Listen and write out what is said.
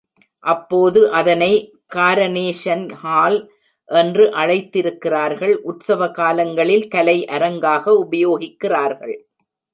அப்போது அதனை காரனேஷன்ஹால் என்று அழைத்திருக்கிறார்கள், உற்சவ காலங்களில் கலை அரங்காக உபயோகிக்கிறார்கள்.